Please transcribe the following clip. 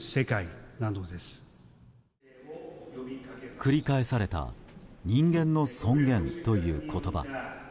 繰り返された人間の尊厳という言葉。